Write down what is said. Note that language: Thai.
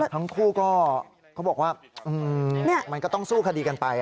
ทั้งคู่ก็เขาบอกว่ามันก็ต้องสู้คดีกันไป